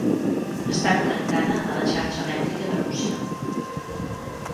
Està connectada a la xarxa elèctrica de Rússia.